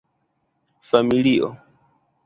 familio